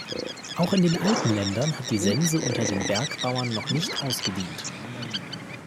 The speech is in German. Auch in den Alpenländern hat die Sense unter den Bergbauern noch nicht ausgedient.